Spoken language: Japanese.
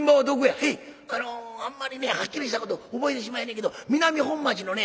「へいあのあんまりねはっきりしたこと覚えてしまへんねんけど南本町のね